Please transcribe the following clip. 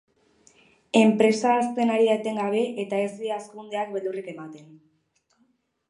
Enpresa hazten ari da etengabe eta ez die hazkundeak beldurrik ematen.